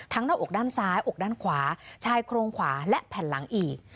หน้าอกด้านซ้ายอกด้านขวาชายโครงขวาและแผ่นหลังอีก